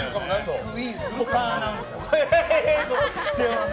股間アナウンサー。